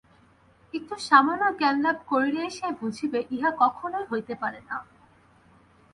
একটু সামান্য জ্ঞানলাভ করিলেই সে বুঝিবে, ইহা কখনই হইতে পারে না।